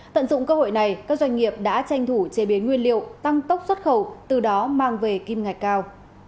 tận dụng cơ hội này các doanh nghiệp đã tranh thủ chế biến nguyên liệu tăng tốc xuất khẩu từ đó mang về kim ngạch cao